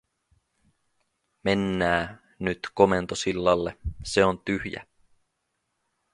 "mennää nyt komentosillalle, se on tyhjä."